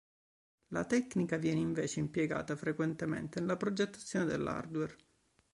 La tecnica viene invece impiegata frequentemente nella progettazione dell'hardware.